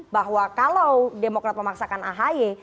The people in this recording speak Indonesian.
bahwa kalau demokrat memaksakan ahy